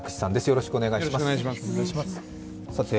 よろしくお願いします。